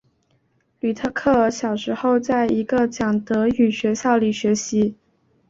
吕特克尔小时候在一个讲德语学校里学习。